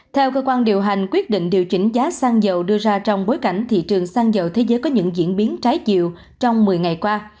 theo cơ quan điều hành quyết định điều chỉnh giá xăng dầu đưa ra trong bối cảnh thị trường xăng dầu thế giới có những diễn biến trái chiều trong một mươi ngày qua